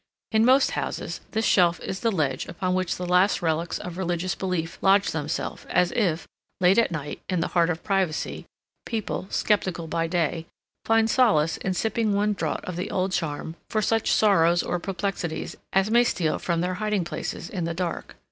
In most houses this shelf is the ledge upon which the last relics of religious belief lodge themselves as if, late at night, in the heart of privacy, people, skeptical by day, find solace in sipping one draught of the old charm for such sorrows or perplexities as may steal from their hiding places in the dark.